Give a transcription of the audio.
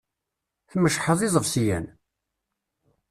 Tmeččḥeḍ iḍebsiyen?